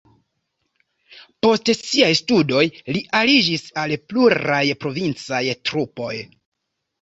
Post siaj studoj li aliĝis al pluraj provincaj trupoj.